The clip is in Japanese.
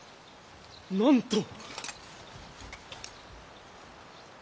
なんと。